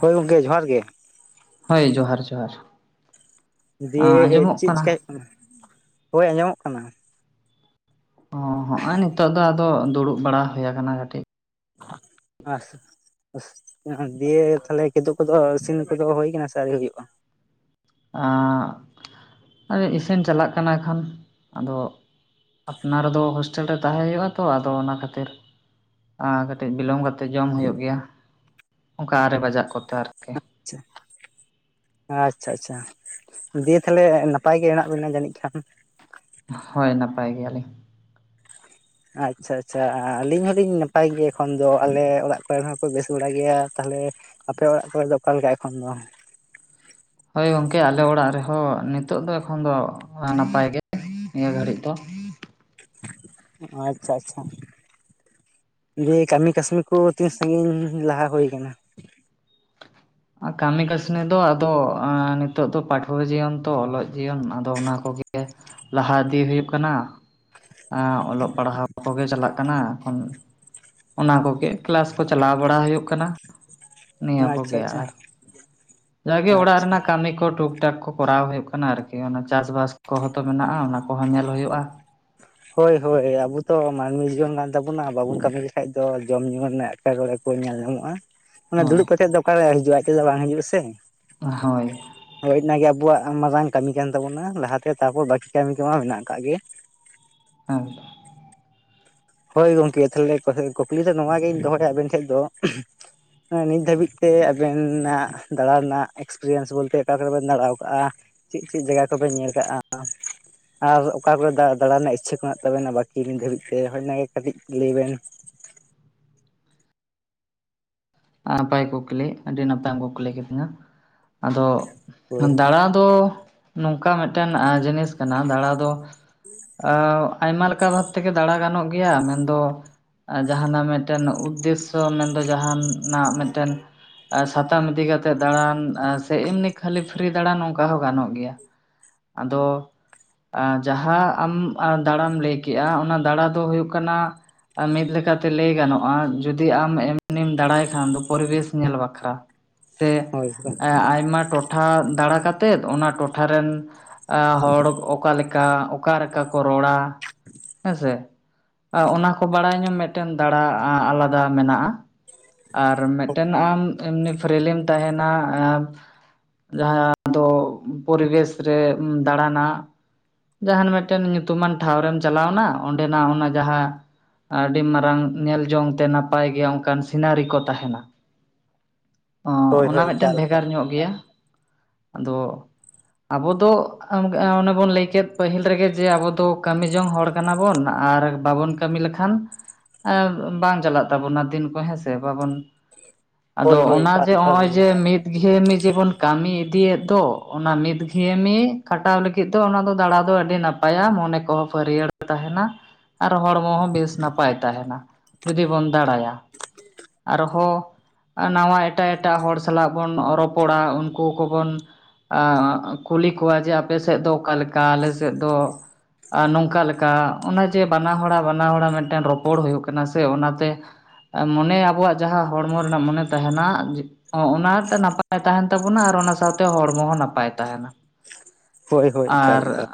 ᱦᱳᱭ ᱜᱚᱝᱠᱮ ᱡᱚᱦᱟᱨ ᱜᱮ ᱦᱳᱭ ᱡᱚᱦᱟᱨ ᱡᱚᱦᱟᱨ ᱪᱮᱫ ᱪᱮᱠᱟᱭ ᱦᱳᱭᱳᱜ ᱠᱟᱱᱟ ᱦᱳᱭ ᱟᱸᱡᱚᱢᱚᱜ ᱠᱟᱱᱟ᱾ ᱚ ᱦᱚᱜᱼᱚᱭ ᱱᱤᱛᱚᱜ ᱫᱚ ᱟᱫᱚ ᱫᱩᱲᱩᱵ ᱵᱟᱲᱟ ᱦᱳᱭ ᱟᱠᱟᱱᱟ ᱠᱟᱹᱴᱤᱡ᱾ [unintelligible] [inaudible] ᱫᱮᱭᱮ ᱛᱟᱦᱞᱮ ᱠᱤᱫᱩᱜ ᱠᱚᱫᱚ ᱤᱥᱤᱱ ᱠᱚᱫᱚ ᱦᱳᱭ ᱠᱟᱱᱟ ᱥᱮ ᱟᱣᱨᱤ ᱦᱩᱭᱳᱜᱼᱟ? [unintelligible] ᱟᱨᱮ ᱤᱥᱤᱱ ᱪᱟᱞᱟᱜ ᱠᱟᱱᱟ ᱠᱷᱟᱱ ᱟᱫᱚ ᱟᱯᱱᱟᱨ ᱫᱚ ᱦᱳᱥᱴᱮᱞ ᱨᱮ ᱛᱟᱦᱮᱸ ᱦᱩᱭᱩᱜ-ᱟ ᱛᱚ ᱟᱫᱚ ᱚᱱᱟ ᱠᱷᱟᱹᱛᱤᱨ ᱟ ᱠᱟᱹᱴᱤᱡ ᱵᱤᱞᱚᱢ ᱛᱮ ᱡᱚᱢ ᱦᱩᱭᱩᱜ ᱜᱮᱭᱟ ᱚᱱᱠᱟ ᱟᱨᱮ ᱵᱟᱡᱟᱜ ᱠᱚᱛᱟᱨ [unintelligible] ᱟᱪᱷᱟ ᱟᱪᱷᱟ ᱫᱤᱭᱮ ᱛᱟᱞᱮ ᱱᱟᱯᱟᱭ ᱜᱮ ᱦᱮᱱᱟᱜ ᱵᱤᱱᱟ ᱡᱟᱹᱱᱤᱡ ᱠᱷᱟᱱ ᱦᱳᱭ ᱱᱟᱯᱟᱭ ᱜᱮᱭᱟ ᱞᱤᱧ᱾ ᱟᱪᱷᱟ ᱟᱪᱷᱟ ᱟᱹᱞᱤᱧ ᱦᱚᱞᱤᱧ ᱱᱟᱯᱟᱭ ᱜᱮᱭᱟ ᱮᱠᱷᱚᱱ ᱫᱚ ᱟᱞᱮ ᱚᱲᱟᱜ ᱠᱚᱨᱮᱱ ᱦᱚᱸᱠᱚ ᱵᱮᱥ ᱵᱟᱲᱟ ᱜᱮᱭᱟ ᱛᱟᱦᱞᱮ ᱟᱯᱮ ᱚᱲᱟᱜ ᱠᱚᱨᱮ ᱫᱚ ᱚᱠᱟ ᱞᱮᱠᱟ ᱮᱠᱷᱚᱱ ᱫᱚ? ᱦᱳᱭ ᱜᱚᱝᱠᱮ ᱟᱞᱮ ᱚᱲᱟᱜ ᱨᱮᱦᱚᱸ ᱱᱤᱛᱚᱜ ᱫᱚ ᱮᱠᱷᱚᱱ ᱫᱚ ᱱᱟᱯᱟᱭ ᱜᱮ ᱱᱤᱭᱟᱹ ᱫᱷᱟᱹᱲᱤᱡ ᱫᱚ ᱟᱪᱷᱟ ᱟᱪᱷᱟ ᱫᱤᱭᱮ ᱠᱟᱹᱢᱤ ᱠᱟᱹᱥᱱᱤ ᱠᱩ ᱛᱤᱥ ᱥᱟᱹᱜᱤᱧ ᱞᱟᱦᱟ ᱦᱩᱭ ᱠᱟᱱᱟ? ᱟ ᱠᱟᱹᱢᱤ ᱠᱟᱹᱥᱱᱤ ᱫᱚ ᱟᱫᱚ ᱮᱸ ᱱᱤᱛᱚᱜ ᱫᱚ ᱯᱟᱹᱴᱷᱩᱣᱟᱹ ᱡᱤᱭᱚᱱ ᱛᱚ ᱚᱞᱚᱜ ᱡᱤᱭᱚᱱ ᱟᱫᱚ ᱚᱱᱟ ᱠᱚᱜᱮ᱾ ᱞᱟᱦᱟ ᱤᱫᱤ ᱦᱩᱭᱩᱜ ᱠᱟᱱᱟ ᱮᱸ ᱚᱞᱚᱜ ᱯᱟᱲᱦᱟᱣ ᱠᱚᱜᱮ ᱪᱟᱞᱟᱜ ᱠᱟᱱᱟ ᱮᱠᱷᱚᱱ ᱚᱱᱟ ᱠᱚᱜᱮ ᱠᱞᱟᱥ ᱠᱚ ᱪᱟᱞᱟᱣ ᱵᱟᱲᱟ ᱦᱩᱭᱩᱜ ᱠᱟᱱᱟ ᱱᱤᱭᱟᱹ ᱟᱪᱪᱷᱟ ᱠᱚᱜᱮ ᱟᱪᱪᱷᱟ ᱟᱨ ᱡᱟᱜᱮ ᱚᱲᱟᱜ ᱟᱪᱪᱷᱟ ᱨᱮᱱᱟᱜ ᱠᱟᱹᱢᱤ ᱠᱚ ᱴᱩᱠ ᱴᱟᱠ ᱠᱚ ᱠᱚᱨᱟᱣ ᱦᱩᱭᱩᱜ ᱠᱟᱱᱟ ᱟᱨᱠᱤ ᱚᱱᱟ ᱪᱟᱥ-ᱵᱟᱥ ᱠᱚᱦᱚᱸ ᱛᱚ ᱢᱮᱱᱟᱜᱼᱟ ᱚᱱᱟ ᱠᱚᱦᱚᱸ ᱧᱮᱞ ᱦᱩᱭᱩᱜᱼᱟ᱾ ᱦᱳᱭ ᱦᱳᱭ ᱟᱹᱵᱩ ᱛᱚ ᱢᱟᱹᱱᱢᱤ ᱡᱤᱭᱚᱱ ᱠᱟᱱ ᱛᱟᱹᱵᱩᱱᱟ ᱵᱟᱹᱵᱩᱱ ᱠᱟᱹᱢᱤ ᱞᱮᱠᱟᱷᱡ ᱫᱚ ᱡᱚᱢ ᱧᱩ ᱨᱮᱱᱟᱜ ᱮᱴᱠᱮᱴᱚᱬᱮ ᱠᱩ ᱧᱮᱞ ᱧᱟᱢᱚᱜᱼᱟ, ᱚᱱᱟ ᱫᱩᱲᱩᱵ ᱦᱳᱭ ᱠᱟᱛᱮᱜ ᱫᱚ ᱚᱠᱟᱨᱮ ᱦᱤᱡᱩᱜᱼᱟ ᱟᱡᱛᱮ ᱫᱚ ᱵᱟᱝ ᱦᱤᱡᱩᱜᱼᱟ ᱥᱮ ᱦᱳᱭ ᱦᱳᱭ ᱤᱱᱟᱹ ᱜᱮ ᱟᱹᱵᱩᱣᱟᱜ ᱢᱟᱨᱟᱝ ᱠᱟᱹᱢᱤ ᱠᱟᱱ ᱛᱟᱵᱚᱱᱟ ᱞᱟᱦᱟᱛᱮ ᱛᱟᱯᱚᱨ ᱵᱟᱹᱠᱤ ᱠᱟᱹᱢᱤ ᱠᱚᱢᱟ ᱢᱮᱱᱟᱜ ᱟᱠᱟᱜ ᱜᱮ᱾ ᱟᱫᱚ ᱦᱳᱭ ᱜᱚᱝᱠᱮ ᱛᱟᱦᱞᱮ ᱠᱩᱠᱞᱤ ᱫᱚ ᱱᱚᱣᱟ ᱜᱮᱧ ᱫᱚᱦᱚᱭᱟ ᱟᱵᱮᱱ ᱴᱷᱮᱜ ᱫᱚ ᱦᱮᱸ ᱱᱤᱛ ᱫᱷᱟᱹᱵᱤᱡ ᱛᱮ ᱟᱵᱮᱱᱟᱜ ᱫᱟᱲᱟᱱᱟᱜ ᱮᱠᱥᱯᱨᱤᱭᱮᱱᱥ ᱵᱚᱞᱛᱮ ᱚᱠᱟ ᱠᱚᱨᱮ ᱵᱮᱱ ᱫᱟᱬᱟ ᱣᱟᱠᱟᱜᱼᱟ? ᱪᱮᱜ ᱪᱮᱜ ᱡᱟᱜᱟ ᱠᱚᱵᱮᱱ ᱧᱮᱞ ᱠᱟᱜᱼᱟ? ᱟᱨ ᱚᱠᱟ ᱠᱚᱨᱮ ᱫᱟᱲᱟ ᱫᱟᱲᱟ ᱨᱮᱱᱟᱜ ᱤᱪᱷᱟᱹ ᱠᱚ ᱢᱮᱱᱟᱜ ᱛᱟᱵᱮᱱᱟ ᱵᱟᱹᱠᱤ ᱱᱤᱛ ᱫᱷᱟᱹᱵᱤᱡ ᱛᱮ ᱦᱚᱭ ᱚᱱᱟᱜᱮ ᱠᱟᱹᱴᱤᱡ ᱞᱟᱹᱭ ᱵᱮᱱ᱾ ᱱᱟᱯᱟᱭ ᱠᱩᱠᱞᱤ ᱟᱹᱰᱤ ᱱᱟᱯᱟᱭᱮᱢ ᱠᱩᱠᱞᱤ ᱠᱤᱫᱤᱧᱟ ᱟᱫᱚ ᱦᱳᱭ ᱫᱟᱬᱟᱱ ᱛᱚ ᱱᱚᱝᱠᱟ ᱢᱤᱫᱴᱮᱱ ᱟᱸ ᱡᱤᱱᱤᱥ ᱠᱟᱱᱟ ᱫᱟᱬᱟ ᱫᱚ ᱟᱹ ᱟᱭᱢᱟ ᱞᱮᱠᱟ ᱵᱷᱟᱵ ᱛᱮᱜᱮ ᱫᱟᱬᱟ ᱜᱟᱱᱚᱜ ᱜᱮᱭᱟ ᱢᱮᱱᱫᱚ ᱟ ᱡᱟᱦᱟᱱᱟᱜ ᱢᱤᱫᱴᱮᱱ ᱩᱫᱽᱫᱮᱥᱥᱚ ᱢᱮᱱᱫᱚ ᱡᱟᱦᱟᱱᱟᱜ ᱢᱤᱫᱴᱮᱱ ᱟ ᱥᱟᱛᱟᱢ ᱤᱫᱤ ᱠᱟᱛᱮᱜ ᱫᱟᱬᱟᱱ ᱟᱸ ᱥᱮ ᱮᱢᱱᱤ ᱠᱷᱟᱹᱞᱤ ᱯᱷᱨᱤ ᱫᱟᱬᱟᱱ ᱚᱝᱠᱟ ᱦᱚᱸ ᱜᱟᱱᱚᱜ ᱜᱮᱭᱟ ᱟᱫᱚ ᱟᱸ ᱡᱟᱦᱟᱸ ᱟᱢ ᱟ ᱫᱟᱬᱟᱢ ᱞᱟᱹᱭ ᱠᱮᱜᱼᱟ ᱚᱱᱟ ᱫᱟᱬᱟ ᱫᱚ ᱦᱩᱭᱩᱜ ᱠᱟᱱᱟ ᱟᱢ ᱢᱤᱫ ᱞᱮᱠᱟᱛᱮ ᱞᱟᱹᱭ ᱜᱟᱱᱚᱜᱼᱟ ᱡᱩᱫᱤ ᱟᱢ ᱮᱢᱱᱤᱢ ᱫᱟᱲᱟᱭ ᱠᱷᱟᱱ ᱫᱚ ᱯᱚᱨᱤᱵᱮᱥ ᱧᱮᱞ ᱵᱟᱠᱷᱨᱟ ᱥᱮ ᱦᱳᱭ ᱟᱭᱢᱟ ᱴᱚᱴ ᱴᱚᱴᱷᱟ ᱫᱟᱬᱟ ᱠᱟᱛᱮᱫ ᱚᱱᱟ ᱴᱚᱴᱷᱟ ᱨᱮᱱ ᱟ ᱦᱚᱲ ᱚᱠᱟ ᱞᱮᱠᱟ ᱚᱠᱟ ᱚᱠᱟ ᱨᱮᱠᱟ ᱠᱚ ᱨᱚᱲᱟ ᱦᱮᱸᱥᱮ ᱟ ᱚᱱᱟ ᱠᱚ ᱵᱟᱲᱟᱭ ᱧᱚᱢ ᱢᱤᱫᱴᱮᱱ ᱫᱟᱬᱟ ᱟᱞᱟᱫᱟ ᱢᱮᱱᱟᱜᱼᱟ᱾ ᱟᱨ ᱢᱤᱫᱴᱮᱱ ᱟᱢ ᱮᱢᱱᱤ ᱯᱷᱨᱤᱞᱢ ᱛᱟᱦᱮᱸᱱᱟ ᱟᱸ ᱡᱟᱦᱟᱸᱭᱟᱜ ᱫᱚ ᱯᱚᱨᱤᱵᱮᱥ ᱨᱮ ᱫᱟᱬᱟᱱᱟᱜ ᱡᱟᱦᱟᱱ ᱢᱤᱫᱴᱮᱱ ᱧᱩᱛᱩᱢᱟᱱ ᱴᱷᱟᱶ ᱨᱮᱢ ᱪᱟᱞᱟᱣᱱᱟ ᱚᱸᱰᱮᱱᱟᱜ ᱚᱱᱟ ᱡᱟᱦᱟᱸ ᱟᱹᱰᱤ ᱢᱟᱨᱟᱝ ᱧᱮᱞ ᱡᱚᱝ ᱛᱮ ᱱᱟᱯᱟᱭ ᱜᱮᱭᱟ ᱚᱝᱠᱟᱱ ᱥᱤᱱᱟᱨᱤ ᱠᱚ ᱛᱟᱦᱮᱱᱟ ᱚ ᱦᱳᱭ ᱚᱱᱟ ᱦᱳᱭ ᱢᱤᱫᱴᱮᱱ ᱮᱠᱟᱞ ᱮᱠᱟᱞ ᱵᱷᱮᱜᱟᱨ ᱧᱚᱜ ᱜᱮᱭᱟ ᱟᱫᱚ ᱟᱹᱵᱚ ᱫᱚ ᱟᱢ ᱚᱱᱮ ᱵᱩᱱ ᱞᱟᱹᱭ ᱠᱮᱫ ᱯᱟᱹᱦᱤᱞ ᱨᱮᱜᱮ ᱡᱮ ᱟᱵᱚ ᱫᱚ ᱠᱟᱹᱢᱤ ᱡᱚᱝ ᱦᱚᱲ ᱠᱟᱱᱟ ᱵᱚᱱ ᱟᱨ ᱵᱟᱵᱚᱱ ᱠᱟᱹᱢᱤ ᱞᱮᱠᱷᱟᱱ ᱮ ᱵᱟᱝ ᱪᱟᱞᱟᱜ ᱛᱟᱵᱳᱱᱟ ᱫᱤᱱ ᱠᱚ ᱦᱮᱸᱥᱮ ᱵᱟᱵᱚᱱ ᱟᱫᱚ ᱦᱳᱭ ᱦᱳᱭ ᱚᱱᱟ ᱮᱠᱟᱞ ᱡᱮ ᱮᱠᱟᱞ ᱚᱸᱼᱚᱸᱭ ᱡᱮ ᱢᱤᱫ ᱢᱤᱫ ᱜᱷᱤᱭᱟᱹᱢᱤ ᱡᱤᱵᱚᱱ ᱠᱟᱹᱢᱤ ᱤᱫᱤᱭᱮᱫ ᱫᱚ ᱚᱱᱟ ᱢᱤᱫ ᱜᱷᱤᱭᱟᱹᱢᱤ ᱠᱷᱟᱴᱟᱣ ᱞᱟᱹᱜᱤᱫ ᱞᱟᱹᱜᱤᱫ ᱫᱚ ᱚᱱᱟ ᱫᱚ ᱫᱟᱲᱟ ᱫᱚ ᱟᱹᱰᱤ ᱱᱟᱯᱟᱭᱟ ᱢᱚᱱᱮ ᱠᱚᱦᱚᱸ ᱯᱷᱟᱹᱨᱭᱟᱹᱲ ᱛᱟᱦᱮᱱᱟ᱾ ᱟᱨ ᱦᱚᱲᱢᱚ ᱦᱚᱸ ᱵᱮᱥ ᱱᱟᱯᱟᱭ ᱛᱟᱦᱮᱱᱟ ᱡᱩᱫᱤ ᱵᱚᱱ ᱫᱟᱬᱟᱭᱟ᱾ ᱟᱨᱦᱚᱸ ᱱᱟᱶᱟ ᱮᱴᱟᱜᱼᱮᱴᱟᱜ ᱦᱚᱲ ᱥᱟᱞᱟᱜ ᱵᱚᱱ ᱨᱚᱯᱚᱲᱟ ᱩᱱᱠᱩ ᱠᱚᱵᱚᱱ ᱟ ᱟᱸ ᱠᱩᱞᱤ ᱠᱚᱣᱟ ᱡᱮ ᱟᱯᱮ ᱥᱮᱫ ᱫᱚ ᱚᱠᱟ ᱞᱮᱠᱟ ᱟᱞᱮ ᱥᱮᱫ ᱫᱚ ᱟ ᱱᱚᱝᱠᱟ ᱞᱮᱠᱟ ᱚᱱᱟ ᱡᱮ ᱵᱟᱱᱟᱦᱚᱲᱟᱜ ᱵᱟᱱᱟᱦᱚᱲᱟᱜ ᱢᱤᱫᱴᱮᱱ ᱨᱚᱯᱚᱲ ᱦᱩᱭᱩᱜ ᱠᱟᱱᱟ ᱥᱮ ᱚᱱᱟᱛᱮ ᱢᱚᱱᱮ ᱟᱵᱚᱣᱟᱜ ᱡᱟᱦᱟᱸ ᱦᱚᱲᱢᱚ ᱨᱮᱱᱟᱜ ᱢᱚᱱᱮ ᱛᱟᱦᱮᱱᱟ ᱟᱡᱤ ᱚᱸ ᱚᱱᱟᱛᱮ ᱱᱟᱯᱟᱭ ᱛᱟᱦᱮᱱ ᱛᱟᱹᱵᱩᱱᱟ ᱟᱨ ᱚᱱᱟ ᱥᱟᱶᱛᱮ ᱦᱚᱲᱢᱚ ᱦᱚᱸ ᱱᱟᱯᱟᱭ ᱛᱟᱦᱮᱱᱟ᱾ ᱦᱳᱭ ᱦᱳᱭ ᱮᱠᱟᱞ ᱟᱨ ᱮᱠᱟᱞ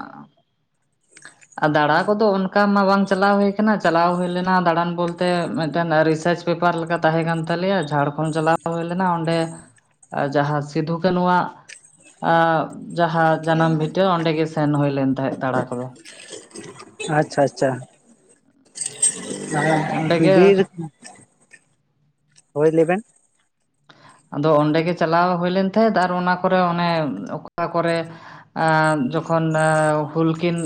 ᱟᱨ ᱫᱟᱬᱟ ᱠᱚᱫᱚ ᱚᱱᱠᱟ ᱢᱟ ᱵᱟᱝ ᱪᱟᱞᱟᱣ ᱦᱩᱭ ᱠᱟᱱᱟ ᱪᱟᱞᱟᱣ ᱦᱩᱭ ᱞᱮᱱᱟ ᱫᱟᱬᱟᱱ ᱵᱚᱞᱛᱮ ᱢᱤᱫᱴᱮᱱ ᱨᱤᱪᱷᱟᱨᱡᱽ ᱯᱮᱯᱟᱨ ᱞᱮᱠᱟ ᱛᱟᱦᱮᱸ ᱠᱟᱱ ᱛᱟᱞᱮᱭᱟ ᱡᱷᱟᱲᱠᱷᱚᱸᱰ ᱪᱟᱞᱟᱣ ᱦᱩᱭ ᱞᱮᱱᱟ ᱚᱸᱰᱮ ᱡᱟᱦᱟᱸ ᱥᱤᱫᱷᱩ ᱠᱟᱹᱱᱩᱣᱟᱜ ᱡᱟᱦᱟᱸ ᱡᱟᱱᱟᱢ ᱵᱷᱤᱴᱟᱹ ᱚᱸᱰᱮ ᱜᱮ ᱥᱮᱱ ᱦᱩᱭ ᱞᱮᱱ ᱛᱟᱦᱮᱸᱜ ᱫᱟᱬᱟ ᱠᱚᱫᱚ ᱟᱪᱪᱷᱟ ᱟᱪᱪᱷᱟ ᱚᱸᱰᱮ ᱜᱮ ᱵᱤᱨ ᱦᱳᱭ ᱞᱮᱵᱮᱱ ᱟᱫᱚ ᱚᱸᱰᱮᱜᱮ ᱪᱟᱞᱟᱣ ᱦᱩᱭ ᱞᱮᱱ ᱛᱟᱦᱮᱸᱫ ᱟᱨ ᱚᱱᱟ ᱠᱚᱨᱮ ᱚᱱᱮ ᱚᱠᱟ ᱠᱚᱨᱮ ᱟ ᱡᱚᱠᱷᱚᱱ ᱦᱩᱞ ᱠᱤᱱ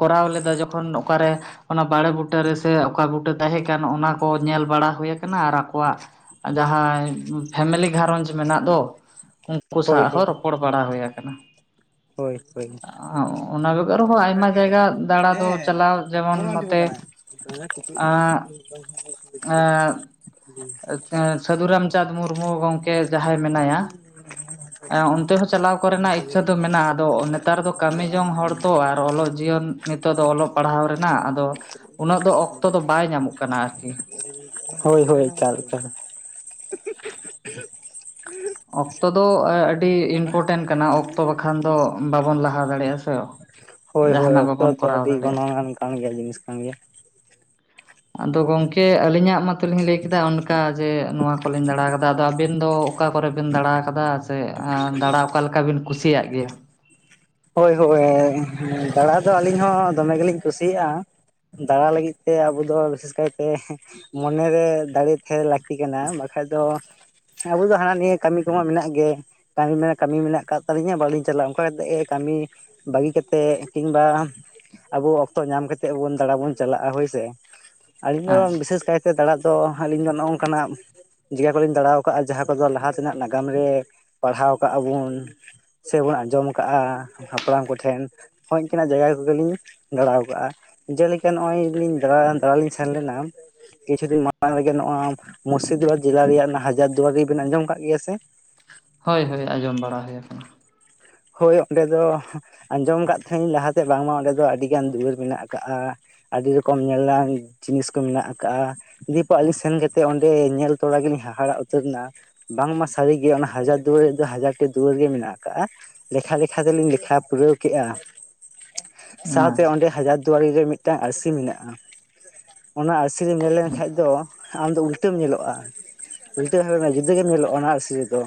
ᱠᱚᱨᱟᱣ ᱞᱮᱫᱟ ᱡᱚᱠᱷᱚᱱ ᱚᱠᱟᱨᱮ ᱚᱱᱟ ᱵᱟᱲᱮ ᱵᱩᱴᱟᱹ ᱨᱮᱥᱮ ᱚᱠᱟ ᱵᱩᱴᱟᱹ ᱛᱟᱦᱮᱸᱠᱟᱱ ᱚᱱᱟ ᱠᱚ ᱧᱮᱞ ᱵᱟᱲᱟ ᱦᱩᱭ ᱠᱟᱱᱟ ᱟᱨ ᱟᱠᱚᱣᱟᱜ ᱡᱟᱸᱦᱟᱭ ᱯᱷᱮᱢᱮᱞᱤ ᱜᱷᱟᱨᱚᱸᱡᱽ ᱢᱮᱱᱟᱜ ᱫᱚ ᱩᱱᱠᱩ ᱥᱟᱶ ᱦᱳᱭ ᱦᱚᱸ ᱦᱳᱭ ᱨᱚᱯᱚᱲ ᱵᱟᱲᱟ ᱦᱩᱭ ᱟᱠᱟᱱᱟ᱾ ᱦᱳᱭ ᱦᱳᱭ ᱟ ᱚᱱᱟ ᱵᱮᱜᱚᱨ ᱦᱚᱸ ᱚᱱᱠᱟ ᱟᱭᱢᱟ ᱜᱮ ᱡᱟᱭᱜᱟ ᱫᱟᱬᱟ ᱫᱚ ᱪᱟᱞᱟᱣ ᱡᱮᱢᱚᱱ ᱱᱚᱛᱮ [unintelligible] ᱴᱩᱰᱟᱹᱜ ᱟᱸ [unintelligible] ᱮᱸᱫ ᱥᱟᱹᱫᱷᱩ ᱨᱟᱢᱪᱟᱸᱫᱽ ᱢᱩᱨᱢᱩ ᱜᱚᱝᱠᱮ ᱡᱟᱦᱟᱸᱭ ᱢᱮᱱᱟᱭᱟ [inaudible] ᱚᱱᱛᱮ ᱦᱚᱸ ᱪᱟᱞᱟᱣ ᱠᱚᱨᱮᱱᱟᱜ ᱤᱪᱪᱷᱟ ᱫᱚ ᱢᱮᱱᱟᱜᱼᱟ ᱟᱫᱚ ᱱᱮᱛᱟᱨ ᱫᱚ ᱠᱟᱹᱢᱤ ᱡᱚᱝ ᱦᱚᱲ ᱛᱚ ᱟᱨ ᱚᱞᱚᱜ ᱡᱤᱭᱚᱱ ᱱᱤᱛᱚᱜ ᱫᱚ ᱚᱞᱚᱜ ᱯᱟᱲᱦᱟᱣ ᱨᱮᱱᱟᱜ ᱟᱫᱚ ᱩᱱᱟᱹᱜ ᱫᱚ ᱚᱠᱛᱚ ᱫᱚ ᱵᱟᱭ ᱧᱟᱢᱚᱜ ᱠᱟᱱᱟ ᱟᱨᱠᱤ ᱦᱳᱭ ᱦᱳᱭ ᱪᱟᱞ ᱪᱟᱞ ᱚᱠᱛᱚ ᱫᱚ ᱟᱹᱰᱤ ᱤᱱᱯᱚᱴᱮᱱ ᱠᱟᱱᱟ ᱚᱠᱛᱚ ᱵᱟᱠᱷᱟᱱ ᱫᱚ ᱵᱟᱵᱚᱱ ᱞᱟᱦᱟ ᱫᱟᱲᱮᱭᱟᱜᱼᱟ ᱥᱮ ᱦᱳᱭ ᱦᱳᱭ ᱡᱟᱦᱟᱱᱟᱜ ᱚᱠᱛᱚ ᱵᱟᱵᱚᱱ ᱛᱚ ᱠᱚᱨᱟᱣ ᱟᱹᱰᱤ ᱫᱟᱲᱮᱭᱟᱜᱼᱟ ᱜᱚᱱᱚᱝ ᱟᱱ ᱠᱟᱱ ᱜᱮᱭᱟ ᱡᱤᱱᱤᱥ ᱠᱟᱱ ᱜᱮᱭᱟ ᱟᱫᱚ ᱜᱚᱝᱠᱮ ᱟᱹᱞᱤᱧᱟᱜ ᱢᱟᱛᱚᱞᱤᱧ ᱞᱟᱹᱭ ᱠᱮᱫᱟ ᱚᱱᱠᱟ ᱡᱮ ᱱᱚᱣᱟ ᱠᱚᱞᱤᱧ ᱫᱟᱬᱟ ᱟᱠᱟᱫᱟ ᱟᱫᱚ ᱟᱵᱤᱱ ᱫᱚ ᱚᱠᱟ ᱠᱚᱨᱮ ᱵᱮᱱ ᱫᱟᱬᱟ ᱟᱠᱟᱫᱟ ᱥᱮ ᱫᱟᱬᱟ ᱚᱠᱟᱞᱮᱠᱟ ᱵᱤᱱ ᱠᱩᱥᱤᱭᱟᱜ ᱜᱮᱭᱟ ᱦᱳᱭ ᱦᱳᱭ ᱫᱟᱬᱟ ᱫᱚ ᱟᱹᱞᱤᱧ ᱦᱚᱸ ᱫᱚᱢᱮ ᱜᱮᱞᱤᱧ ᱠᱩᱥᱤᱭᱟᱜᱼᱟ ᱫᱟᱬᱟ ᱞᱟᱹᱜᱤᱫ ᱛᱮ ᱟᱵᱚ ᱫᱚ ᱵᱤᱥᱮᱥ ᱠᱟᱭᱛᱮ ᱢᱚᱱᱮᱨᱮ ᱫᱟᱲᱮ ᱛᱟᱦᱮᱸ ᱞᱟᱹᱠᱛᱤ ᱠᱟᱱᱟ ᱵᱟᱠᱷᱟᱡ ᱫᱚ ᱟᱵᱚ ᱫᱚ ᱦᱟᱱᱟ ᱱᱤᱭᱟᱹ ᱠᱟᱹᱢᱤ ᱠᱚᱢᱟ ᱢᱮᱱᱟᱜ ᱜᱮ ᱠᱟᱹᱢᱤ ᱢᱟᱱᱮ ᱠᱟᱹᱢᱤ ᱢᱮᱱᱟᱜ ᱟᱠᱟᱫ ᱛᱟᱹᱞᱤᱧᱟ ᱵᱟᱹᱞᱤᱧ ᱪᱟᱞᱟᱜᱼᱟ ᱚᱱᱠᱟ ᱠᱟᱛᱮᱜ ᱠᱟᱹᱢᱤ ᱵᱟᱹᱜᱤ ᱠᱟᱛᱮᱫ ᱠᱤᱢᱵᱟ ᱟᱵᱚ ᱚᱠᱛᱚ ᱧᱟᱢ ᱠᱟᱛᱮ ᱫᱟᱬᱟ ᱵᱚᱱ ᱪᱟᱞᱟᱜᱼᱟ ᱦᱳᱭᱥᱮ ᱟᱹᱞᱤᱧ ᱫᱚ ᱟᱪᱪᱷᱟ ᱵᱤᱥᱮᱥ ᱠᱟᱭᱛᱮ ᱫᱟᱲᱟᱜ ᱫᱚ ᱟᱹᱞᱤᱧ ᱫᱚ ᱱᱚᱜᱼ ᱱᱚᱝᱠᱟᱱᱟᱜ ᱡᱟᱜᱟ ᱠᱚᱞᱤᱧ ᱫᱟᱬᱟ ᱟᱠᱟᱫᱼᱟ ᱡᱟᱦᱟᱸ ᱠᱚᱫᱚ ᱞᱟᱦᱟ ᱛᱮᱱᱟᱜ ᱱᱟᱜᱟᱢ ᱨᱮ ᱯᱟᱲᱦᱟᱣ ᱠᱟᱜᱼᱟ ᱵᱚᱱ ᱥᱮᱵᱚᱱ ᱟᱸᱡᱚᱢ ᱟᱠᱟᱜᱼᱟ ᱦᱟᱯᱲᱟᱢ ᱠᱚᱴᱷᱮᱱ ᱦᱚᱸ ᱚᱱᱠᱟᱱᱟᱜ ᱡᱟᱭᱜᱟ ᱠᱚᱜᱮᱞᱤᱧ ᱫᱟᱬᱟ ᱟᱠᱟᱜᱼᱟ ᱡᱮᱞᱮᱠᱟ ᱱᱚᱜᱼᱚᱭ ᱞᱤᱧ ᱫᱟᱬᱟ ᱞᱤᱧ ᱥᱮᱱ ᱞᱮᱱᱟ ᱠᱤᱪᱷᱩ ᱫᱤᱱ ᱢᱟᱲᱟᱝ ᱨᱮᱜᱮ ᱱᱚᱣᱟ ᱢᱩᱨᱥᱤᱫᱟᱵᱟᱫᱽ ᱡᱮᱞᱟ ᱨᱮᱭᱟᱜ ᱦᱟᱡᱟᱨ ᱫᱩᱣᱟᱨᱤ ᱵᱮᱱ ᱟᱸᱡᱚᱢ ᱟᱠᱟᱫ ᱜᱮᱭᱟ ᱥᱮ ᱦᱳᱭ ᱦᱳᱭ ᱟᱸᱡᱚᱢ ᱵᱟᱲᱟ ᱦᱩᱭᱩᱭᱟ ᱟᱠᱟᱱᱟ ᱦᱳᱭ ᱚᱸᱰᱮ ᱫᱚ ᱟᱸᱡᱚᱢ ᱟᱠᱟᱫ ᱛᱟᱦᱮᱸᱱᱹᱧ ᱞᱟᱦᱟᱛᱮ ᱵᱟᱝᱢᱟ ᱚᱸᱰᱮ ᱫᱚ ᱟᱹᱰᱤ ᱜᱟᱱ ᱫᱩᱣᱟᱹᱨ ᱢᱮᱱᱟᱜ ᱠᱟᱜᱼᱟ ᱟᱹᱰᱤ ᱨᱚᱠᱚᱢ ᱧᱮᱞᱟᱱ ᱡᱤᱱᱤᱥ ᱠᱚ ᱢᱮᱱᱟᱜ ᱟᱠᱟᱜᱼᱟ ᱫᱤᱭᱮ ᱯᱚᱨᱮ ᱟᱹᱞᱤᱧ ᱥᱮᱱ ᱠᱟᱛᱮᱫ ᱚᱸᱰᱮ ᱧᱮᱞ ᱛᱚᱨᱟ ᱜᱮᱞᱤᱧ ᱦᱟᱦᱟᱲᱟᱜ ᱩᱛᱟᱹᱨᱱᱟ ᱵᱟᱝᱢᱟ ᱥᱟᱹᱨᱤᱜᱮ ᱚᱱᱟ ᱦᱟᱡᱟᱨ ᱫᱩᱣᱟᱹᱨ ᱫᱚ ᱦᱟᱡᱟᱨ ᱴᱤ ᱫᱩᱣᱟᱹᱨ ᱜᱮ ᱢᱮᱱᱟᱜ ᱟᱠᱟᱜᱼᱟ ᱞᱮᱠᱷᱟ ᱞᱮᱠᱷᱟ ᱛᱮᱞᱤᱧ ᱞᱮᱠᱷᱟ ᱯᱩᱨᱟᱹᱣ ᱠᱮᱫᱮᱜᱼᱟ ᱥᱟᱶᱛᱮ ᱟᱪᱪᱷᱟ ᱚᱸᱰᱮ ᱦᱟᱡᱟᱨ ᱫᱩᱣᱟᱨᱤ ᱨᱮ ᱢᱤᱫᱴᱟᱝ ᱟᱹᱨᱥᱤ ᱢᱮᱱᱟᱜᱼᱟ ᱚᱱᱟ ᱟᱹᱨᱥᱤ ᱨᱮᱢ ᱧᱮᱞ ᱞᱮᱱᱠᱷᱟᱱ ᱫᱚ ᱟᱢᱫᱚ ᱩᱞᱴᱟᱹᱢ ᱧᱮᱞᱚᱜᱼᱟ ᱩᱞᱴᱟᱹ ᱡᱩᱫᱟᱹᱜ ᱜᱮᱢ ᱧᱮᱞᱚᱜᱼᱟ ᱚᱱᱟ ᱟᱹᱨᱥᱤ ᱨᱮ ᱫᱚ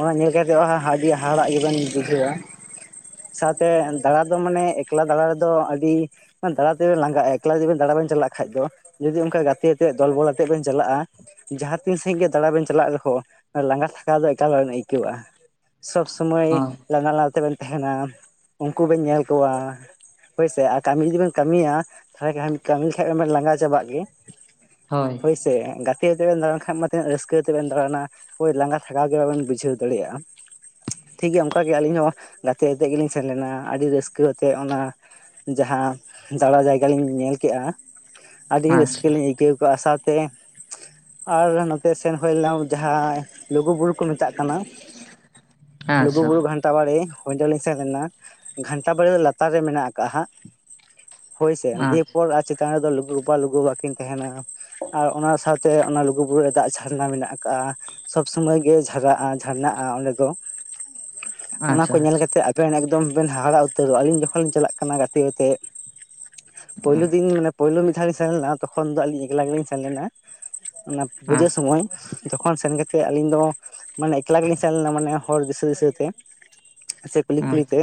ᱚᱱᱟ ᱧᱮᱞ ᱠᱟᱛᱮᱫ ᱟᱹᱰᱤ ᱦᱟᱦᱟᱲᱟᱜ ᱜᱮᱵᱮᱱ ᱵᱩᱡᱷᱟᱹᱣᱼᱟ ᱥᱟᱶᱛᱮ ᱫᱟᱬᱟ ᱫᱚ ᱢᱟᱱᱮ ᱮᱠᱞᱟ ᱫᱟᱬᱟ ᱨᱮᱫᱚ ᱟᱹᱰᱤ ᱫᱟᱬᱟ ᱛᱮᱵᱮᱱ ᱞᱟᱸᱜᱟ ᱮᱠᱞᱟ ᱡᱩᱫᱤ ᱫᱟᱬᱟ ᱵᱮᱱ ᱪᱟᱞᱟᱜ ᱠᱷᱟᱱ ᱫᱚ ᱡᱩᱫᱤ ᱚᱱᱠᱟ ᱜᱟᱛᱮ ᱟᱛᱮᱜ ᱫᱚᱞ ᱵᱚᱞ ᱟᱛᱮᱫ ᱵᱮᱱ ᱪᱟᱞᱟᱜᱼᱟ ᱡᱟᱦᱟᱸ ᱛᱤᱱ ᱥᱟᱹᱦᱤᱡ ᱜᱮ ᱫᱟᱬᱟ ᱵᱮᱱ ᱪᱟᱞᱟᱜ ᱨᱮᱦᱚᱸ ᱞᱟᱸᱜᱟ ᱛᱷᱟᱠᱟ ᱫᱚ ᱮᱠᱟᱞ ᱵᱟᱵᱮᱱ ᱟᱹᱭᱠᱟᱹᱣᱼᱟ ᱥᱚᱵᱽ ᱥᱩᱢᱟᱹᱭ ᱦᱳᱭ ᱞᱟᱸᱫᱟ ᱞᱟᱸᱫᱟ ᱛᱮᱵᱮᱱ ᱛᱟᱦᱮᱱᱟ ᱩᱱᱠᱩ ᱵᱮᱱ ᱧᱮᱞ ᱠᱚᱣᱟ ᱦᱳᱭᱥᱮ ᱟᱨ ᱠᱟᱹᱢᱤ ᱡᱩᱫᱤ ᱵᱮᱱ ᱠᱟᱹᱢᱤᱭᱟ ᱛᱟᱦᱚᱞᱮ ᱠᱟᱹᱢᱤ ᱠᱷᱟᱡ ᱫᱚᱵᱮᱱ ᱞᱟᱸᱜᱟ ᱪᱟᱵᱟᱜ ᱜᱮ ᱦᱳᱭ ᱦᱳᱭ ᱥᱮ ᱜᱟᱛᱮ ᱜᱟᱛᱮ ᱵᱤᱱ ᱫᱟᱲᱬᱟᱱ ᱠᱷᱟᱱ ᱢᱟ ᱛᱤᱱᱟᱹᱜ ᱨᱟᱹᱥᱠᱟᱹ ᱛᱮ ᱵᱤᱱ ᱫᱟᱬᱟᱱᱟ ᱾ ᱳᱭ ᱞᱟᱸᱜᱟ ᱛᱷᱟᱠᱟᱣ ᱜᱮ ᱵᱟᱵᱮᱱ ᱵᱩᱡᱷᱟᱹᱣ ᱫᱟᱲᱮᱭᱟᱜᱼᱟ ᱴᱷᱤᱠ ᱜᱮᱭᱟ ᱾ ᱚᱱᱠᱟᱜ ᱜᱮ ᱟᱹᱞᱤᱧ ᱦᱚᱸ ᱜᱟᱛᱮ ᱟᱛᱮᱫ ᱜᱮᱞᱤᱧ ᱥᱮᱱ ᱞᱮᱱᱟ ᱟᱹᱰᱤ ᱨᱟᱹᱥᱠᱟᱹ ᱟᱛᱮ ᱚᱱᱟ ᱡᱟᱦᱟᱸ ᱫᱟᱬᱟ ᱡᱟᱭᱜᱟ ᱞᱤᱧ ᱧᱮᱞ ᱠᱮᱜᱼᱟ ᱟᱹᱰᱤ ᱨᱟᱹᱥᱠᱟᱹ ᱞᱤᱧ ᱟᱹᱭᱠᱟᱹᱣ ᱠᱟᱜᱼᱟ, ᱥᱟᱶᱛᱮ ᱟᱨ ᱱᱚᱛᱮ ᱥᱮᱱ ᱦᱩᱭᱱᱟ ᱡᱟᱦᱟᱸ ᱞᱩᱜᱩᱵᱩᱨᱩ ᱠᱚ ᱢᱮᱛᱟᱜ ᱠᱟᱱᱟ ᱾ ᱞᱩᱜᱩᱵᱩᱨᱩ ᱜᱷᱟᱱᱴᱟ ᱵᱟᱲᱮ ᱚᱸᱰᱮ ᱞᱤᱧ ᱥᱮᱱ ᱞᱮᱱᱟ ᱜᱷᱟᱱᱴᱟ ᱵᱟᱲᱮ ᱫᱚ ᱞᱟᱛᱟᱨ ᱨᱮ ᱢᱮᱱᱟᱜ ᱟᱠᱟᱜ -ᱟ ᱾ ᱦᱳᱭ ᱥᱮ ᱫᱤᱭᱮᱯᱚᱨ ᱟᱨ ᱪᱮᱛᱟᱱ ᱨᱮᱫᱚ ᱞᱩᱜᱩ ᱵᱟᱯᱟ ᱞᱩᱜᱩᱵᱟ ᱠᱤᱱ ᱛᱟᱦᱮᱸᱱᱟ ᱾ ᱟᱨ ᱚᱱᱟ ᱥᱟᱶᱛᱮ ᱚᱱᱟ ᱞᱩᱜᱩᱵᱩᱨᱩ ᱨᱮ ᱫᱟᱜ ᱡᱷᱟᱨᱱᱟ ᱢᱮᱱᱟᱜ ᱠᱟᱜ-ᱟ ᱾ ᱥᱚᱵᱽ ᱥᱩᱢᱚᱭ ᱜᱮ ᱡᱷᱟᱨᱟᱜᱼᱟ ᱡᱷᱟᱨᱱᱟᱜᱼᱟ ᱚᱸᱰᱮ ᱫᱚ ᱾ ᱚᱱᱟ ᱠᱚ ᱧᱮᱞ‌ ᱠᱟᱛᱮᱫ ᱟᱵᱮᱱ ᱮᱠᱫᱚᱢ ᱵᱮᱱ ᱦᱟᱦᱟᱲᱟ ᱩᱛᱟᱹᱨᱚᱜ-ᱟ ᱟᱹᱞᱤᱧ ᱡᱚᱠᱷᱚᱱ ᱞᱤᱧ ᱪᱟᱞᱟᱜ ᱠᱟᱱᱟ ᱜᱟᱛᱮ ᱟᱛᱮᱜ ᱾ ᱯᱳᱭᱞᱳ ᱫᱤᱱ ᱢᱟᱱᱮ ᱯᱳᱭᱞᱳ ᱢᱤᱫ ᱫᱷᱟᱣ ᱞᱤᱧ ᱥᱮᱱ ᱞᱮᱱᱟ ᱛᱚᱠᱷᱚᱱ ᱫᱚ ᱟᱹᱞᱤᱧ ᱮᱠᱞᱟ ᱜᱮ ᱞᱤᱧ ᱥᱮᱱ ᱞᱮᱱᱟ ᱚᱱᱟ ᱯᱩᱡᱟᱹ ᱥᱚᱢᱚᱭ ᱡᱚᱠᱷᱚᱱ ᱥᱮᱱ ᱠᱟᱛᱮᱫ ᱟᱹᱞᱤᱧ ᱫᱚ ᱢᱟᱱᱮ ᱮᱠᱞᱟ ᱜᱮᱞᱤᱧ ᱥᱮᱱ ᱞᱮᱱᱟ ᱢᱟᱱᱮ ᱦᱚᱲ ᱫᱤᱥᱟᱹ ᱫᱤᱥᱟᱹᱛᱮ ᱥᱮ ᱠᱩᱞᱤ ᱠᱩᱞᱤ ᱛᱮ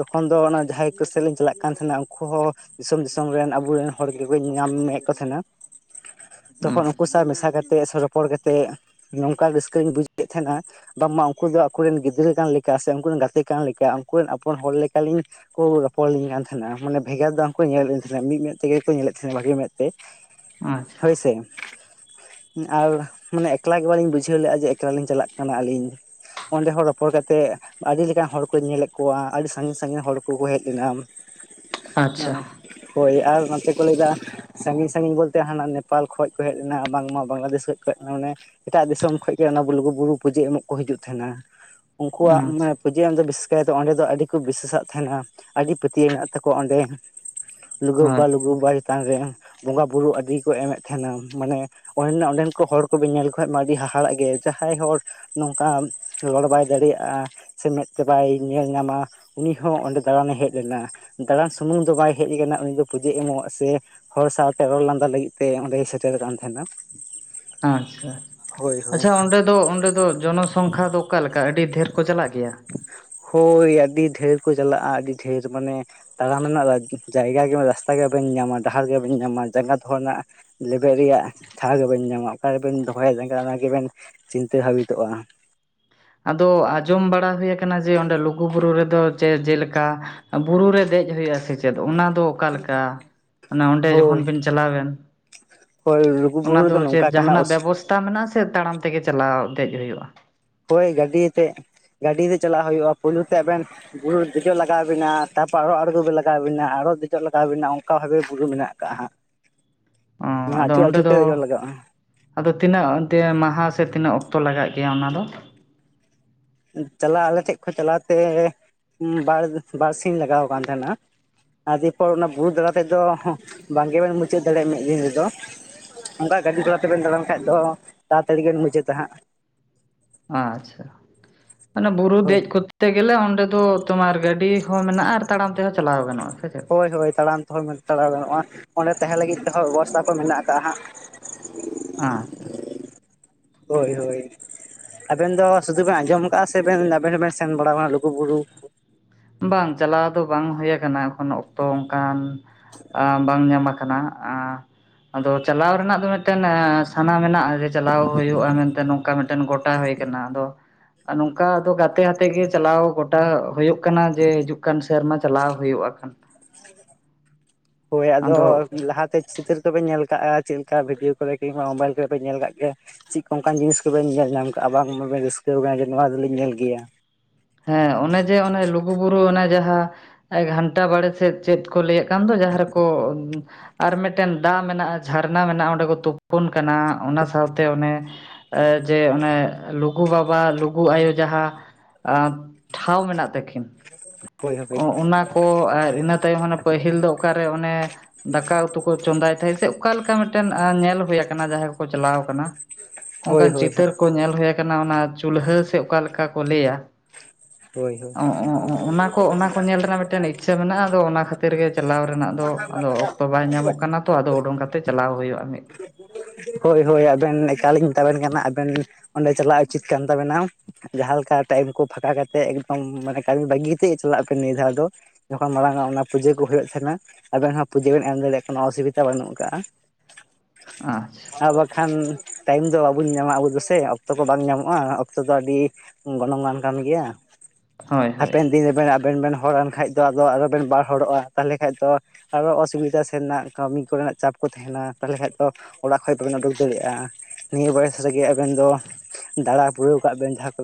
ᱛᱚᱠᱷᱚᱱ ᱫᱚ ᱚᱱᱟ ᱡᱟᱦᱟᱸᱭ ᱠᱚᱥᱮᱫ ᱞᱤᱧ ᱪᱟᱞᱟᱜ ᱠᱟᱱ ᱛᱟᱦᱮᱸᱱᱟ ᱩᱱᱠᱩ ᱠᱚ ᱦᱚᱸ ᱫᱤᱥᱚᱢ ᱫᱤᱥᱚᱢ ᱨᱮᱱ ᱟᱵᱚᱨᱮᱱ ᱦᱚᱲ ᱜᱮᱠᱚ ᱧᱟᱢᱮᱫ ᱠᱚ ᱛᱟᱸᱦᱮᱱᱟ ᱾ ᱛᱚᱠᱷᱚᱱ ᱩᱱᱠᱩ ᱥᱟᱶ ᱢᱮᱥᱟ ᱠᱟᱛᱮ ᱵᱮᱥ ᱨᱚᱯᱚᱲ ᱠᱟᱛᱮᱫ ᱱᱚᱝᱠᱟ ᱨᱟᱹᱥᱠᱟᱹᱞᱤᱧ ᱵᱩᱡᱮᱫ ᱛᱟᱦᱮᱸᱱᱟ ᱵᱟᱝᱢᱟ ᱩᱱᱠᱩ ᱫᱚ ᱟᱠᱩᱨᱮᱱ ᱜᱤᱫᱽᱨᱟᱹ ᱠᱟᱱ ᱞᱮᱠᱟ ᱪᱮᱫᱟᱜ ᱥᱮ ᱩᱱᱠᱩᱨᱤᱱ ᱜᱟᱛᱮ ᱠᱟᱱ ᱞᱮᱠᱟ ᱩᱱᱠᱩᱨᱤᱱ ᱟᱯᱚᱱ ᱦᱚᱲ ᱞᱮᱠᱟᱞᱤᱧ ᱠᱚ ᱨᱚᱯᱚᱲ ᱞᱤᱧ ᱠᱟᱱ ᱛᱟᱦᱮᱸᱱᱟ ᱢᱟᱱᱮ ᱵᱷᱮᱜᱟᱨ ᱫᱚ ᱵᱟᱠᱚ ᱧᱮᱞᱮᱫ ᱞᱤᱧ ᱛᱟᱦᱮᱸᱱᱟ ᱢᱤᱫ ᱢᱮᱫ ᱛᱮᱜᱮ ᱠᱚ ᱧᱮᱞᱮᱫ ᱛᱟᱦᱮᱸᱱᱟ ᱵᱷᱟᱜᱤ ᱢᱮᱫ ᱛᱮ [unintelligible] ᱟᱪᱪᱷᱟ ᱦᱚᱭ ᱥᱮ ᱟᱨ ᱢᱟᱱᱮ ᱮᱠᱞᱟ ᱜᱮ ᱵᱟᱹᱞᱤᱧ ᱵᱩᱡᱷᱟᱹᱣ ᱞᱮᱫᱼᱟ ᱡᱮ ᱮᱠᱞᱟ ᱞᱤᱧ ᱪᱟᱞᱟᱜ ᱠᱟᱱᱟ ᱟᱹᱞᱤᱧ ᱚᱸᱰᱮ ᱦᱚᱸ ᱨᱚᱯᱚᱲ ᱠᱟᱛᱮᱜ ᱟᱹᱰᱤ ᱞᱮᱠᱟᱱ ᱦᱚᱲ ᱠᱚᱧ ᱧᱮᱞᱮᱫ ᱠᱚᱣᱟ ᱟᱹᱰᱤ ᱥᱟᱺᱜᱤᱧ ᱥᱟᱺᱜᱤᱧ ᱦᱚᱲ ᱠᱚ ᱠᱚ ᱦᱮᱡ ᱞᱮᱱᱟ ᱦᱮᱸ ᱟᱪᱪᱷᱟ ᱾ ᱦᱳᱭ ᱟᱨ ᱱᱚᱛᱮ ᱠᱚ ᱞᱟᱹᱭ ᱮᱫᱟ ᱥᱟᱺᱜᱤᱧ ᱥᱟᱺᱜᱤᱧ ᱵᱚᱞᱛᱮ ᱦᱟᱱᱟ ᱱᱮᱯᱟᱞ ᱠᱷᱚᱡ ᱠᱚ ᱦᱮᱡ ᱞᱮᱱᱟ ᱵᱟᱝᱢᱟ ᱵᱟᱝᱞᱟᱫᱮᱥ ᱠᱷᱚᱡ ᱠᱚ ᱦᱮᱡ ᱞᱮᱱᱟ ᱚᱱᱮ ᱾ ᱮᱴᱟᱜ ᱫᱤᱥᱚᱢ ᱠᱷᱚᱡ ᱜᱮ ᱚᱱᱟ ᱞᱩᱜᱩᱵᱩᱨᱩ ᱯᱩᱡᱟᱹ ᱮᱢᱚᱜ ᱠᱚ ᱦᱤᱡᱩᱜ ᱛᱟᱦᱮᱸᱱᱟ ᱩᱱᱠᱩᱣᱟᱜ ᱟᱪᱪᱷᱟ ᱯᱩᱡᱟ. ᱮᱢ ᱫᱚ ᱵᱤᱥᱮᱥ ᱠᱟᱭᱟᱛᱮ ᱚᱸᱰᱮ ᱫᱚ ᱟᱹᱰᱤ ᱠᱚ ᱵᱤᱥᱟ. ᱥᱟᱜ ᱛᱟᱦᱮᱸᱱᱟ ᱟᱹᱰᱤ ᱯᱟᱹᱛᱭᱟᱹᱣ ᱢᱮᱱᱟᱜ ᱛᱟᱠᱚᱣᱟ ᱚᱸᱰᱮ ᱾ ᱞᱩᱜᱩ ᱵᱟ ᱦᱳᱭ ᱞᱩᱜᱩ ᱵᱟᱵᱟ ᱪᱮᱛᱟᱱ ᱨᱮ ᱵᱚᱸᱜᱟ ᱵᱩᱨᱩ ᱟᱹᱰᱤᱠᱚ ᱮᱢᱮᱫ ᱛᱟᱦᱮᱸᱱᱟ ᱢᱟᱱᱮ ᱾ ᱚᱸᱰᱮ ᱚᱸᱰᱮᱱ ᱠᱚ ᱦᱚᱲ ᱠᱚᱵᱤᱱ ᱧᱮᱞ ᱞᱮ ᱠᱚ ᱠᱷᱟᱱ ᱢᱟ ᱟᱹᱰᱤ ᱦᱟᱦᱟᱲᱟ ᱜᱮ ᱡᱟᱦᱟᱸᱭ ᱦᱚᱲ ᱱᱚᱝᱠᱟ ᱨᱚᱲ ᱵᱟᱭ ᱫᱟᱲᱮᱭᱟᱜᱼᱟ ᱾ ᱥᱮ ᱢᱮᱸᱫ ᱛᱮ ᱵᱟᱭ ᱧᱮᱞ ᱧᱟᱢᱟ ᱩᱱᱤ ᱦᱚᱸ ᱚᱸᱰᱮ ᱫᱟᱬᱟᱱᱮ ᱦᱮᱡ ᱞᱮᱱᱟ ᱾ ᱫᱟᱲᱟᱱ ᱥᱩᱢᱩᱝ ᱫᱚ ᱵᱟᱭ ᱦᱮᱡ ᱞᱮᱱᱟ ᱩᱱᱤ ᱫᱚ ᱯᱩᱡᱟᱹ ᱮᱢᱚᱜ ᱥᱮ ᱦᱚᱲ ᱥᱟᱶᱛᱮ ᱨᱚᱲ ᱞᱟᱸᱫᱟ ᱞᱟᱹᱜᱤᱫ ᱛᱮ ᱚᱸᱰᱮᱭ ᱥᱮᱴᱮᱨ ᱠᱟᱱ ᱛᱟᱸᱦᱮᱱᱟ ᱾ ᱟᱪᱪᱷᱟ ᱟᱪᱪᱷᱟ ᱚᱸᱰᱮ ᱫᱚ ᱚᱸᱰᱮ ᱫᱚ ᱡᱚᱱᱚ ᱥᱚᱝᱠᱷᱟ ᱫᱚ ᱚᱠᱟ ᱞᱮᱠᱟ ᱟᱹᱰᱤ ᱰᱷᱮᱨ ᱠᱚ ᱪᱟᱞᱟᱜ ᱜᱮᱭᱟ? ᱦᱳᱭ ᱟᱹᱰᱤ ᱰᱷᱮᱨ ᱠᱚ ᱪᱟᱞᱟᱜᱼᱟ ᱟᱹᱰᱤ ᱰᱷᱮᱨ ᱢᱟᱱᱮ ᱾ ᱛᱟᱲᱟᱢ ᱨᱮᱱᱟᱜ ᱡᱟᱭᱜᱟ ᱜᱮ ᱨᱟᱥᱛᱟ ᱜᱮ ᱵᱟᱹᱧ ᱧᱟᱢᱟ ᱰᱟᱦᱟᱨ ᱜᱮ ᱵᱟᱹᱧ ᱧᱟᱢᱟ ᱡᱟᱸᱜᱟ ᱫᱚᱦᱚ ᱨᱮᱱᱟᱜ ᱞᱮᱵᱮᱫ ᱨᱮᱭᱟᱜ ᱴᱷᱟᱶ ᱜᱮ ᱵᱟ. ᱵᱤᱱ ᱧᱟᱢᱟ ᱚᱠᱟ ᱨᱮᱵᱤᱱ ᱫᱚᱦᱚᱭᱟ ᱡᱟᱸᱜᱟ ᱚᱱᱟ ᱜᱮᱵᱤᱱ ᱪᱤᱱᱛᱟᱹ ᱵᱷᱟᱵᱤᱛᱚᱜᱼᱟ ᱾ ᱟᱫᱚ ᱟᱸᱡᱚᱢ ᱵᱟᱲᱟ ᱦᱩᱭ ᱟᱠᱟᱱᱟ ᱡᱮ ᱚᱸᱰᱮ ᱞᱩᱜᱩᱵᱩᱨᱩ ᱨᱮᱫᱚ ᱡᱮᱞᱮᱠᱟ ᱵᱩᱨᱩ ᱨᱮ ᱫᱮᱡ ᱦᱩᱭᱩᱜᱼᱟ ᱥᱮᱪᱮᱫ, ᱚᱱᱟ ᱫᱚ ᱚᱠᱟ ᱞᱮᱠᱟ ᱢᱟᱱᱮ ᱚᱸᱰᱮ ᱡᱚᱠᱷᱚᱱ ᱦᱳᱭ ᱵᱤᱱ ᱪᱟᱞᱟᱣ ᱮᱱ? ᱦᱳᱭ ᱚᱱᱟ ᱞᱩᱜᱩᱵᱩᱨᱩ ᱫᱚ ᱨᱮᱫᱚ ᱪᱮᱫ ᱱᱚᱝᱠᱟ ᱠᱟᱱᱟ ᱡᱟᱦᱟᱸᱱᱟᱜ ᱵᱮᱵᱚᱥᱛᱟ ᱢᱮᱱᱟᱜᱼᱟ ᱥᱮ ᱛᱟᱲᱟᱢ ᱛᱮᱜᱮ ᱪᱟᱞᱟᱣ ᱫᱮᱡ ᱦᱩᱭᱩᱜᱼᱟ? ᱦᱳᱭ ᱜᱟᱹᱰᱤ ᱛᱮ ᱜᱟᱹᱰᱤ ᱛᱮ ᱪᱟᱞᱟᱣ ᱦᱩᱭᱩᱜᱼᱟ ᱯᱩᱭᱞᱩ ᱛᱮ ᱟᱹᱵᱤᱱ ᱵᱩᱨᱩ ᱨᱮ ᱫᱮᱡᱚᱜ ᱞᱟᱜᱟᱣ ᱟᱵᱤᱱᱟ ᱛᱟᱨᱯᱚᱨ ᱟᱨ ᱦᱚᱸ ᱟᱸᱲᱜᱳ ᱞᱟᱜᱟᱣ ᱟᱵᱤᱱᱟ ᱟᱨ ᱦᱚᱸ ᱫᱮᱡᱚᱜ ᱞᱟᱜᱟᱣ ᱟᱵᱤᱱᱟ ᱚᱱᱠᱟ [unintelligible] ᱵᱩᱨᱩ ᱢᱮᱱᱟᱜᱼᱟ ᱾ ᱠᱟ ᱦᱟᱸᱜ ᱚ ᱚᱱᱟ ᱟᱫᱚ ᱟᱹᱪᱩᱨ ᱚᱸᱰᱮ ᱟᱹᱪᱩᱨ ᱛᱮ ᱫᱚ ᱫᱮᱡᱚᱜ ᱞᱟᱜᱟᱜᱼᱟ ᱾ ᱟᱫᱚ ᱛᱤᱱᱟᱹᱜ ᱚᱱᱛᱮ ᱢᱟᱦᱟᱸ ᱥᱮ ᱛᱤᱱᱟᱹᱜ ᱚᱠᱛᱚ ᱞᱟᱜᱟᱜ ᱜᱮᱭᱟ ᱚᱱᱟ ᱫᱚ? ᱪᱟᱞᱟᱜ ᱟᱞᱮ‌ ᱴᱷᱮᱡ ᱠᱷᱚᱱ ᱪᱟᱞᱟᱣ ᱛᱮ ᱵᱟᱨ ᱵᱟᱨᱥᱤᱧ ᱞᱟᱜᱟᱣ ᱟᱠᱟᱱ ᱛᱟᱸᱦᱮᱱᱟ ᱾ [unintelligible] ᱚᱱᱟ ᱵᱩᱨᱩ ᱫᱟᱸᱬᱟ ᱛᱮᱫᱚ ᱵᱟᱝ ᱜᱮᱵᱤᱱ ᱢᱩᱪᱟᱹᱫ ᱫᱟᱲᱮᱭᱟᱜᱼᱟ ᱢᱤᱫ ᱫᱤᱱ ᱛᱮᱫᱚ ᱾ ᱚᱱᱠᱟ ᱜᱟᱹᱰᱤ ᱜᱷᱚᱲᱟ ᱛᱮᱵᱤᱱ ᱫᱟᱸᱬᱟᱱ ᱠᱷᱟᱡ ᱫᱚ ᱛᱟᱲᱟ ᱛᱟᱲᱤ ᱜᱮᱵᱤᱱ ᱢᱩᱪᱟᱹᱫᱟ-ᱦᱟᱸᱜ ᱾ ᱟᱪᱪᱷᱟ ᱢᱟᱱᱮ ᱵᱩᱨᱩ ᱦᱳᱭ ᱫᱮᱡ ᱠᱚᱛᱮ ᱵᱳᱞᱛᱮ ᱜᱮ ᱞᱮ ᱚᱸᱰᱮ ᱫᱚ ᱛᱚᱢᱟᱨ ᱜᱟᱹᱰᱤ ᱦᱚᱸ ᱢᱮᱱᱟᱜᱼᱟ ᱟᱨ ᱛᱟᱲᱟᱢ ᱛᱮᱦᱚᱸ ᱪᱟᱞᱟᱣ ᱜᱟᱱᱚᱜᱼᱟ ᱥᱮᱪᱮᱫ? ᱦᱳᱭ ᱦᱳᱭ ᱛᱟᱲᱟᱢ ᱛᱮᱦᱚᱸ ᱪᱟᱞᱟᱣ ᱜᱟᱱᱚᱜᱼᱟ ᱚᱸᱰᱮ ᱛᱟᱦᱮᱸ ᱞᱟᱹᱜᱤᱫ ᱛᱮᱦᱚᱸ ᱵᱮᱵᱚᱥᱛᱷᱟ ᱠᱚ ᱢᱮᱱᱟᱜ ᱠᱟᱜ- ᱟ ᱦᱟᱸᱜ ᱾ [unintelligible] ᱟᱸ ᱦᱳᱭ ᱦᱳᱭ ᱟᱵᱮᱱ ᱫᱚ ᱥᱩᱫᱩ ᱵᱮᱱ ᱟᱸᱡᱚᱢ ᱟᱠᱟᱟᱜᱼᱟ ᱥᱮ ᱟᱵᱮᱱ ᱦᱚᱸᱵᱮᱱ ᱥᱮᱱ ᱵᱟᱲᱟ ᱟᱠᱟᱱᱟ ᱞᱩᱜᱩᱵᱩᱨᱩ ᱵᱟᱝ ᱪᱟᱞᱟᱣ ᱫᱚ ᱵᱟᱝ ᱦᱩᱭ ᱟᱠᱟᱱᱟ ᱮᱠᱷᱚᱱᱚ ᱚᱠᱛᱚ ᱚᱱᱠᱟᱱ ᱵᱟᱝ ᱧᱟᱢ ᱟᱠᱟᱱᱟ ᱟᱫᱚ ᱪᱟᱞᱟᱣ ᱨᱮᱱᱟᱜ ᱫᱚ ᱢᱤᱫᱴᱟᱹᱱ ᱥᱟᱱᱟ ᱢᱮᱱᱟᱜᱼᱟ ᱡᱮ ᱪᱟᱞᱟᱣ ᱦᱩᱭᱩᱜᱼᱟ ᱢᱮᱱᱛᱮ ᱱᱚᱝᱠᱟ ᱢᱤᱫᱴᱟᱹᱱ ᱜᱚᱴᱟ ᱦᱩᱭᱼᱟ ᱟᱫᱚ ᱱᱚᱝᱠᱟ ᱟᱫᱚ ᱜᱟᱛᱮ ᱜᱟᱛᱮ ᱜᱮ ᱪᱟᱞᱟᱣ ᱜᱚᱴᱟ ᱦᱩᱭᱩᱜ ᱦᱩᱭᱩᱜ ᱠᱟᱱᱟ ᱡᱮ ᱦᱤᱡᱩᱜ ᱠᱟᱱ ᱥᱮᱨᱢᱟ ᱪᱟᱞᱟᱣ ᱦᱩᱭᱩᱜᱼᱟ ᱠᱷᱟᱱ [unintelligible] ᱦᱳᱭ ᱟᱫᱚ ᱞᱟᱦᱟ [unintelligible] ᱪᱤᱛᱟᱹᱨ ᱛᱚ ᱵᱮᱱ ᱧᱮᱞ ᱠᱟᱜᱼᱟ ᱪᱮᱫ ᱞᱮᱠᱟ ᱵᱷᱤᱰᱭᱳ ᱠᱚᱨᱮ ᱠᱤᱝᱵᱟ ᱢᱳᱵᱟᱭᱤᱞ ᱠᱚᱨᱮ ᱯᱮ ᱧᱮᱞ ᱠᱟᱜ ᱜᱮᱭᱟ ᱪᱮᱫ ᱠᱚ ᱚᱱᱠᱟᱱ ᱡᱤᱱᱤᱥ ᱠᱚᱵᱮᱱ ᱧᱮᱞ ᱧᱟᱢ ᱠᱟᱜᱼᱟ ᱵᱟᱝᱵᱮᱱ ᱨᱟᱹᱥᱠᱟᱹᱣ ᱟᱠᱟᱱᱟ ᱡᱮ ᱱᱚᱣᱟ ᱫᱚᱞᱤᱧ ᱧᱮᱞ ᱜᱮᱭᱟ ᱦᱮᱸ ᱚᱱᱮ ᱡᱮ ᱚᱱᱮ ᱞᱩᱜᱩᱵᱩᱨᱩ ᱚᱱᱮ ᱡᱟᱦᱟᱸ ᱮ ᱜᱷᱟᱱᱴᱟ ᱵᱟᱲᱮ ᱥᱮᱫ ᱪᱮᱫ ᱠᱚ ᱞᱟᱹᱭᱮᱫ ᱠᱟᱱ ᱫᱚ ᱡᱟᱦᱟᱸ ᱨᱮᱠᱚ ᱟᱨ ᱢᱤᱫᱴᱮᱱ ᱫᱟᱜ ᱢᱮᱱᱟᱜᱼᱟ ᱡᱷᱟᱨᱱᱟ ᱢᱮᱱᱟᱜᱼᱟ ᱚᱸᱰᱮ ᱠᱚ ᱛᱩᱯᱩᱱ ᱠᱟᱱᱟ ᱚᱱᱟ ᱥᱟᱶᱛᱮ ᱚᱱᱮ ᱡᱮ ᱚᱱᱮ ᱞᱩᱜᱩ ᱵᱟᱵᱟ ᱞᱩᱜᱩ ᱟᱭᱳ ᱡᱟᱦᱟᱸ ᱴᱷᱟᱶ ᱢᱮᱱᱟᱜ ᱛᱟᱹᱠᱤᱱ ᱦᱳᱭ ᱦᱳᱭ ᱚᱱᱟ ᱠᱚ ᱟᱨ ᱤᱱᱟᱹ ᱛᱟᱭᱚᱢ ᱦᱟᱱᱮ ᱯᱟᱹᱦᱤᱞ ᱫᱚ ᱚᱠᱟᱨᱮ ᱚᱱᱮ ᱫᱟᱠᱟ ᱩᱛᱩ ᱠᱚ ᱪᱚᱸᱫᱟᱭ ᱛᱟᱦᱮᱸ ᱥᱮ ᱚᱠᱟᱞᱮᱠᱟ ᱢᱤᱫᱴᱟᱝ ᱧᱮᱞ ᱦᱩᱭ ᱟᱠᱟᱱᱟ ᱡᱟᱦᱟᱸᱭ ᱠᱚᱠᱚ ᱪᱟᱞᱟᱣ ᱟᱠᱟᱱᱟ ᱾ ᱦᱳᱭ ᱚᱱᱠᱟᱱ ᱦᱳᱭ ᱪᱤᱛᱟᱹᱨ ᱠᱚ ᱧᱮᱞ ᱦᱩᱭ ᱟᱠᱟᱱᱟ ᱚᱱᱟ ᱪᱩᱞᱦᱟᱹ ᱥᱮ ᱚᱠᱟᱞᱮᱠᱟ ᱠᱚ ᱞᱟᱹᱭᱟ ᱾ ᱦᱳᱭ ᱦᱳᱭ ᱚᱸᱜ ᱚᱸᱜ ᱚᱱᱟ ᱠᱚ ᱚᱱᱟ ᱠᱚ ᱧᱮᱞ ᱨᱮᱱᱟᱜ ᱢᱤᱫᱴᱟᱝ ᱤᱪᱪᱷᱟᱹ ᱢᱮᱱᱟᱜᱼᱟ ᱟᱫᱚ ᱚᱱᱟ ᱠᱷᱟᱹᱛᱤᱨ ᱜᱮ ᱪᱟᱞᱟᱣ ᱨᱮᱱᱟᱜ ᱫᱚ ᱟᱫᱚ ᱚᱠᱛᱚ ᱵᱟᱭ ᱧᱟᱢᱚᱜ ᱠᱟᱱᱟ ᱛᱚ ᱟᱫᱚ ᱩᱰᱩᱝ ᱠᱟᱛᱮ ᱪᱟᱞᱟᱣ ᱦᱩᱭᱩᱜᱼᱟ ᱢᱤᱫ ᱾ ᱦᱳᱭ ᱦᱳᱭ ᱟᱫᱚ ᱮᱠᱟᱞ ᱤᱧ ᱢᱮᱛᱟᱵᱮᱱ ᱠᱟᱱᱟ ᱟᱵᱮᱱ ᱚᱸᱰᱮ ᱪᱟᱞᱟᱜ ᱩᱪᱤᱛ ᱠᱟᱱ ᱛᱟᱵᱮᱱᱟ ᱾ ᱡᱟᱦᱟᱸ ᱞᱮᱠᱟ ᱴᱟᱭᱤᱢ ᱠᱚ ᱯᱷᱟᱸᱠᱟ ᱠᱟᱛᱮᱜ ᱮᱠᱫᱚᱢ ᱢᱟᱱᱮ ᱠᱟᱹᱢᱤ ᱵᱟᱹᱜᱤᱛᱮ ᱪᱟᱞᱟᱜ ᱯᱮ ᱱᱤᱭᱟᱹ ᱫᱷᱟᱣ ᱫᱚ ᱾ ᱡᱚᱠᱷᱚᱱ ᱢᱟᱲᱟᱝ ᱟᱜ ᱚᱱᱟ ᱯᱩᱡᱟᱹ ᱠᱚ ᱦᱩᱭᱩᱜ ᱛᱟᱸᱱᱟ ᱟᱫᱚ ᱱᱷᱟᱜ ᱯᱩᱡᱟᱹ ᱵᱮᱱ ᱮᱢ ᱫᱟᱲᱮᱭᱟᱜᱼᱟ ᱠᱚᱱᱳ ᱾ ᱚᱥᱩᱵᱤᱫᱷᱟ ᱵᱟᱹᱱᱩᱜ ᱟᱠᱟᱟᱜᱼᱟ ᱟᱸᱪ ᱟᱨ ᱵᱟᱠᱷᱟᱱ ᱴᱟᱭᱤᱢ ᱫᱚ ᱵᱟᱵᱚᱱ ᱧᱟᱢᱟ ᱟᱵᱚ ᱫᱚ ᱥᱮ ᱚᱠᱛᱚ ᱠᱚ ᱵᱟᱝ ᱧᱟᱢᱚᱜᱼᱟ ᱚᱠᱛᱚ ᱫᱚ ᱟᱹᱰᱤ ᱜᱚᱱᱚᱝᱟᱱ ᱠᱟᱱ ᱜᱮᱭᱟ ᱦᱳᱭ ᱦᱳᱭ ᱦᱟᱯᱮᱱ ᱟᱵᱮᱱ ᱵᱮᱱ ᱦᱚᱲᱱ ᱟᱱ ᱠᱷᱟᱡ ᱫᱚ ᱟᱫᱚ ᱵᱮᱱ ᱵᱟᱨ ᱦᱚᱲᱚᱜᱼᱟ ᱛᱟᱦᱚᱞᱮ ᱠᱷᱟᱱᱡ ᱫᱚ ᱾ ᱟᱨᱚ ᱚᱥᱩᱵᱤᱫᱟ ᱥᱮᱱᱟᱜ ᱠᱟᱹᱢᱤ ᱠᱚᱨᱮᱱᱟᱜ ᱪᱟᱯ ᱠᱚ ᱛᱟᱦᱮᱱᱟ ᱛᱟᱦᱚᱞᱮ ᱠᱷᱟᱱ ᱫᱚ ᱚᱲᱟᱜ ᱠᱷᱚᱡ ᱵᱟᱵᱮᱱ ᱩᱰᱩᱠ ᱫᱟᱲᱮᱭᱟᱜᱼᱟ ᱱᱤᱭᱟᱹ ᱵᱚᱭᱮᱥ ᱨᱮᱜᱮ ᱟᱵᱮᱱ ᱫᱚ ᱫᱟᱬᱟ ᱵᱩᱲᱟᱹᱣ ᱠᱟᱜ ᱵᱮᱱ ᱡᱟᱦᱟᱸ ᱠᱚ ᱾